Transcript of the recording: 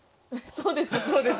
「そうです。